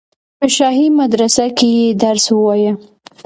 په شاهي مدرسه کې یې درس ووایه.